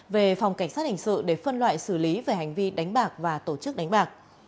về phòng cảnh sát hình sự để phân loại xử lý về hành vi đánh bạc và tổ chức đánh bạc